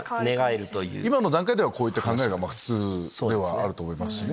今の段階ではこういった考えが普通ではあると思いますしね。